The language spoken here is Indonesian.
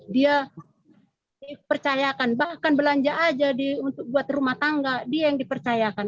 dia dipercayakan bahkan belanja aja untuk buat rumah tangga dia yang dipercayakan